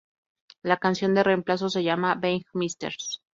La canción de reemplazo se llama "Being Mrs.